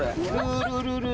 ルルルルル。